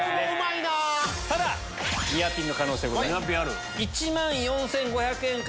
ただニアピンの可能性ございます。